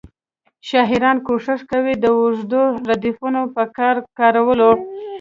شاعران کوښښ کوي د اوږدو ردیفونو په کارولو.